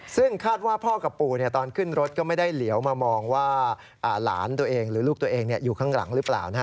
ซึ่งคาดว่าพ่อกับปู่ตอนขึ้นรถก็ไม่ได้เหลียวมามองว่าหลานตัวเองหรือลูกตัวเองอยู่ข้างหลังหรือเปล่า